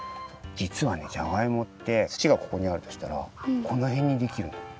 じつはねじゃがいもって土がここにあるとしたらこのへんにできるの。